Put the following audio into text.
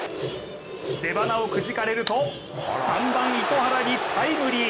出ばなをくじかれると３番・糸原にタイムリー。